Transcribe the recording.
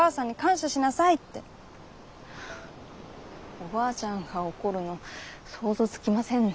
おばあちゃんが怒るの想像つきませんね。